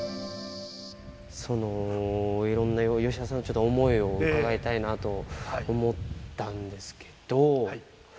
その、いろんな吉田さんの想いを伺いたいなと思ったんですけど。